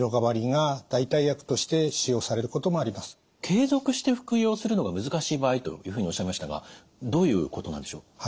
継続して服用するのが難しい場合というふうにおっしゃいましたがどういうことなんでしょう？